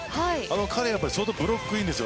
彼はブロックがいいんです。